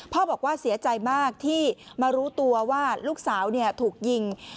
บอกว่าเสียใจมากที่มารู้ตัวว่าลูกสาวถูกยิง